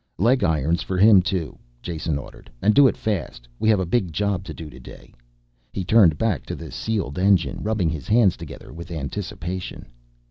"Leg irons for him, too," Jason ordered, "And do it fast. We have a big job to do today." He turned back to the sealed engine, rubbing his hands together with anticipation.